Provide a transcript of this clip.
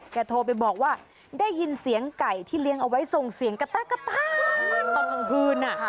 โทรไปบอกว่าได้ยินเสียงไก่ที่เลี้ยงเอาไว้ส่งเสียงกระต๊ะตอนกลางคืน